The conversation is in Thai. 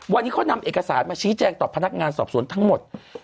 วันนี้เขานำเอกสารมาชี้แจงต่อพนักงานสอบสวนทั้งหมด